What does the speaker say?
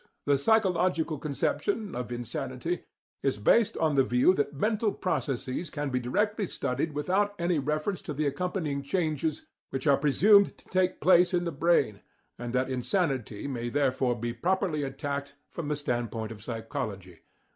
"The psychological conception [of insanity] is based on the view that mental processes can be directly studied without any reference to the accompanying changes which are presumed to take place in the brain, and that insanity may therefore be properly attacked from the standpoint of psychology"(p.